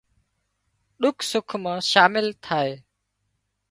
ۮُک سُک مان شامل ٿائي